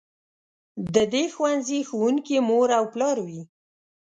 د دې ښوونځي ښوونکي مور او پلار وي.